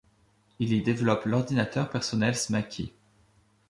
Il y développe l'ordinateur personnel Smaky.